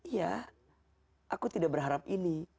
ya aku tidak berharap ini